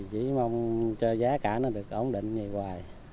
chỉ mong cho giá cả nó được ổn định như vậy hoài